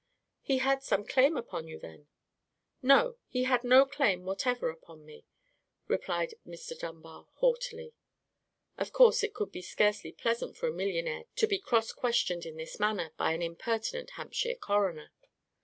"He had some claim upon you, then?" "No, he had no claim whatever upon me," replied Mr. Dunbar, haughtily. Of course, it could be scarcely pleasant for a millionaire to be cross questioned in this manner by an impertinent Hampshire coroner.